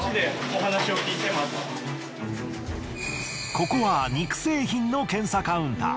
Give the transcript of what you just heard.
ここは肉製品の検査カウンター。